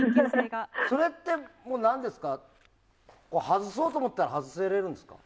それって、外そうと思ったら外させられるんですか。